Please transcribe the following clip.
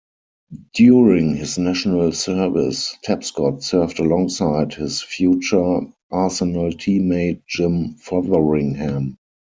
During his national service, Tapscott served alongside his future Arsenal team mate Jim Fotheringham.